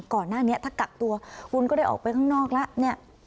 ก่อนหน้านี้ถ้ากักตัวคุณก็ได้ออกไปข้างนอกแล้วเนี่ย